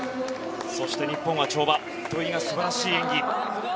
そして、日本は跳馬で土井が素晴らしい演技。